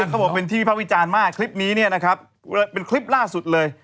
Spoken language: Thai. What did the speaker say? เขาบอกเป็นที่วิภาควิจารณ์มากคลิปนี้เนี่ยนะครับเป็นคลิปล่าสุดเลย